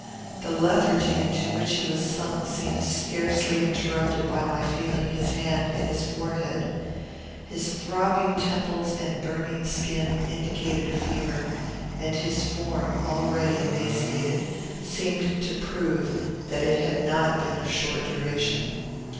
The lethargy into which he was sunk seemed scarcely interrupted by my feeling his hand and his forehead. His throbbing temples and burning skin indicated a fever, and his form, already emaciated, seemed to prove that it had not been of short duration.